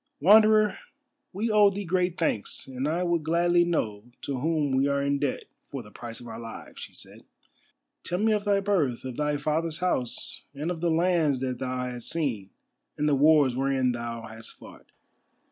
"Wanderer, we owe thee great thanks, and I would gladly know to whom we are in debt for the prices of our lives," she said. "Tell me of thy birth, of thy father's house, and of the lands that thou hast seen and the wars wherein thou hast fought.